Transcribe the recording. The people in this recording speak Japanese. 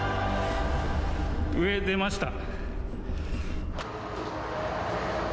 上に出ました。